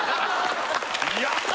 やった！